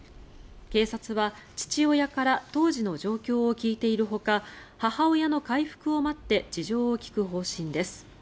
警察は父親から当時の状況を聞いているほか母親の回復を待って事情を聴く方針です。